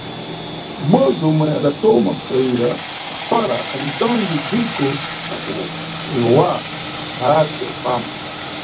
Mʼbodzi omwe adatoma kutayira mafala akhali ntonga dziko la ku EUA, Barack Obama.